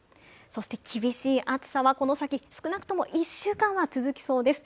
そして厳しい暑さは少なくとも１週間は続きます。